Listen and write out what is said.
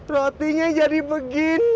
rotinya jadi begini